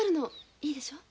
いいでしょ？